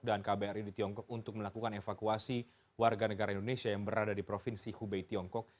dan kbru di tiongkok untuk melakukan evakuasi warga negara indonesia yang berada di provinsi hubei tiongkok